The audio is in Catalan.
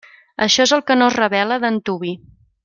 Això és el que no es revela d'antuvi.